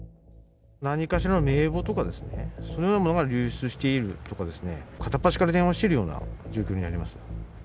何かしらの名簿とかですね、そのようなものが流出しているとかですね、片っぱしから電話しているような、状況になります。